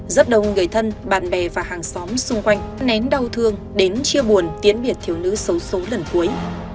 rất đông người thân bạn bè và hàng xóm xung quanh nén đau thương đến chia buồn tiến biệt thiếu nữ xấu xố lần cuối